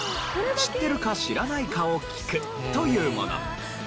知ってるか知らないかを聞くというもの。